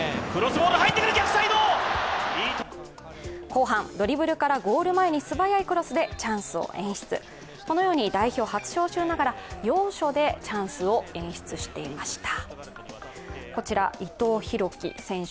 後半、ドリブルからゴール前に素早いクロスでチャンスを演出、このように代表初招集ながら、要所でチャンスを演出していました。